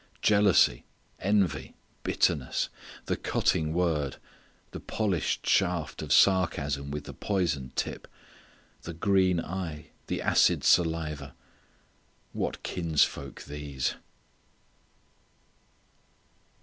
Jealousy, envy, bitterness, the cutting word, the polished shaft of sarcasm with the poisoned tip, the green eye, the acid saliva what kinsfolk these!